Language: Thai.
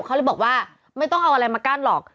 เขาเลยบอกว่าไม่ต้องเอาอะไรมากั้นหรอก